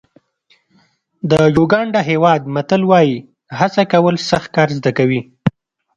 د یوګانډا هېواد متل وایي هڅه کول سخت کار زده کوي.